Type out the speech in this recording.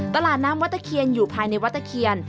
ตลาดน้ำวัตเทศเคียนอยู่ภายในวัตเทศเคียน